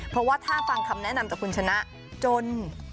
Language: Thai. เพราะว่าถ้าฟังคำแนะนำจากคุณชนะจน